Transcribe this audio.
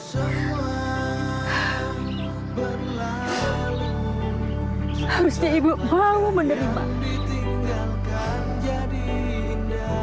harusnya ibu baru menerima